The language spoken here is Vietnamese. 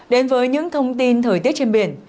đến với những thông tin thời tiết trên biển